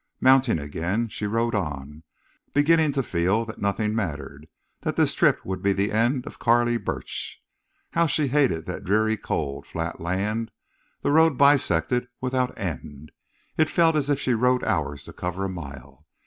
Mounting again, she rode on, beginning to feel that nothing mattered, that this trip would be the end of Carley Burch. How she hated that dreary, cold, flat land the road bisected without end. It felt as if she rode hours to cover a mile.